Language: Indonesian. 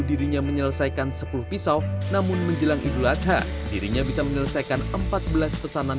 dirinya menyelesaikan sepuluh pisau namun menjelang idul adha dirinya bisa menyelesaikan empat belas pesanan